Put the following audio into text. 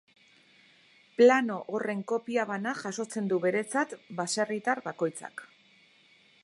Plano horren kopia bana jasotzen du beretzat basaerritar bakoitzak.